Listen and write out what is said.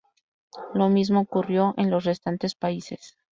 Lo mismo ocurrió en los restantes países.